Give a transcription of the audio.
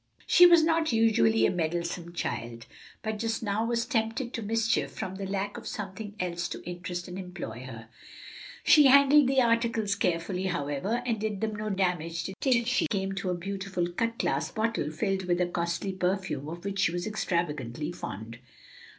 She was not usually a meddlesome child, but just now was tempted to mischief from the lack of something else to interest and employ her. She handled the articles carefully, however, and did them no damage till she came to a beautiful cut glass bottle filled with a costly perfume of which she was extravagantly fond.